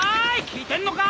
聞いてんのか？